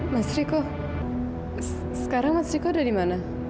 mas riko sekarang mas riko udah dimana